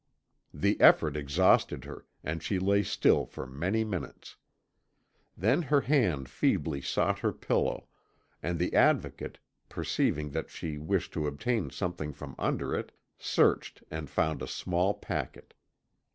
The effort exhausted her, and she lay still for many minutes. Then her hand feebly sought her pillow, and the Advocate, perceiving that she wished to obtain something from under it, searched and found a small packet.